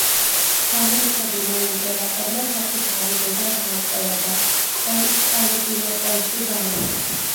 განრისხებულმა იმპერატორმა საკუთარი დედა დაატყვევა და კონსტანტინოპოლში გამოკეტა.